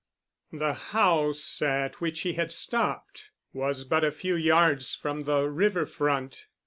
The house at which he had stopped was but a few yards from the river front.